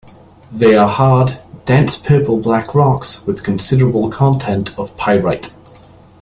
They are hard, dense purple-black rocks with considerable content of pyrite.